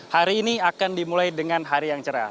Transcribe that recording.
hari ini akan dimulai dengan hari yang cerah